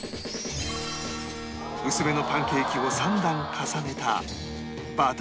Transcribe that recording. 薄めのパンケーキを３段重ねたおおっ！